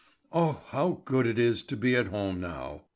"Oh, how good it is to be at home now!"